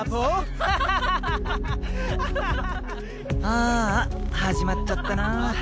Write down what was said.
あぁあ始まっちゃったな。